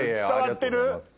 伝わってる？